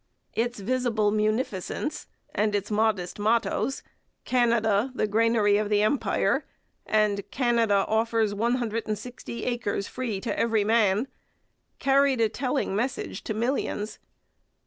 Its visible munificence and its modest mottoes, 'Canada the granary of the Empire' and 'Canada offers 160 acres free to every man,' carried a telling message to millions.